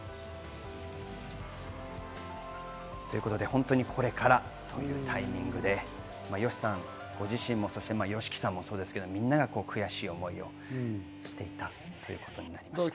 本当にこれからというタイミングでＹＯＳＨＩさんご自身もそしてＹＯＳＨＩＫＩさんもそうですが、みんなが悔しい思いをしていたということになりました。